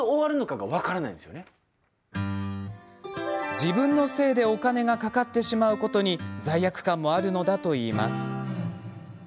自分のせいでお金がかかってしまうことに罪悪感もあるのだといいます。